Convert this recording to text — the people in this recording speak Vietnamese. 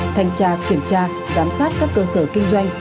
thành tra kiểm tra giám sát các cơ sở kinh doanh